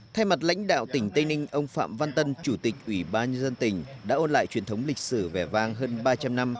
thay mặt lãnh đạo tỉnh tây ninh ông phạm văn tân chủ tịch ủy ban nhân dân tỉnh đã ôn lại truyền thống lịch sử vẻ vang hơn ba trăm linh năm